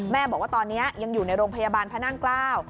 บอกว่าตอนนี้ยังอยู่ในโรงพยาบาลพระนั่งเกล้า